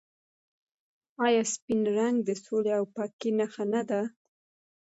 آیا سپین رنګ د سولې او پاکۍ نښه نه ده؟